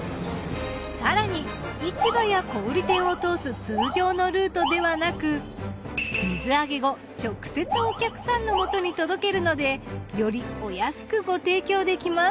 更に市場や小売店を通す通常のルートではなく水揚げ後直接お客さんのもとに届けるのでよりお安くご提供できます。